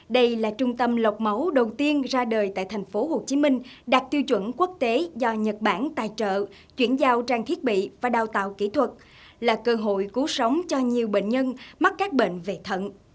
đây là trung tâm lọc máu đầu tiên ra đời tại tp hcm đạt tiêu chuẩn quốc tế do nhật bản tài trợ chuyển giao trang thiết bị và đào tạo kỹ thuật là cơ hội cứu sống cho nhiều bệnh nhân mắc các bệnh về thận